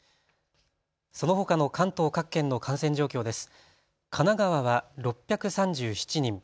そのほかの関東各県の感染状況です。